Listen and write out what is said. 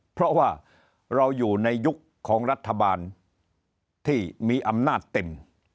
เพราะว่าเราอยู่ในยุคของรัฐบาลที่มีอำนาจเต็ม